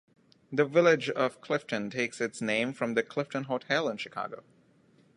The village of Clifton takes its name from the Clifton Hotel in Chicago.